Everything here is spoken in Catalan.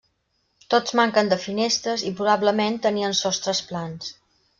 Tots manquen de finestres i probablement tenien sostres plans.